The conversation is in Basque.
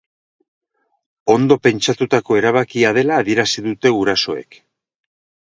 Ondo pentsatutako erabakia dela adierazi dute gurasoek.